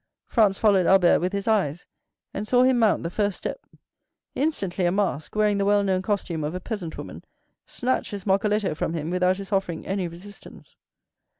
Franz followed Albert with his eyes, and saw him mount the first step. Instantly a mask, wearing the well known costume of a peasant woman, snatched his moccoletto from him without his offering any resistance.